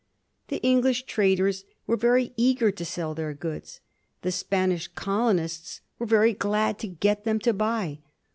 The English traders were very eager to sell their goods; the Spanish colonists were very glad to get them to buy.